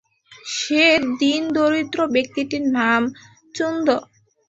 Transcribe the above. সে দীন দরিদ্র ব্যক্তিটির নাম চুন্দ।